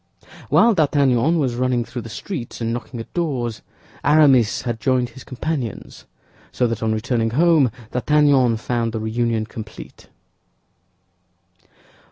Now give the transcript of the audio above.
While D'Artagnan was running through the streets and knocking at doors, Aramis had joined his companions; so that on returning home D'Artagnan found the reunion complete.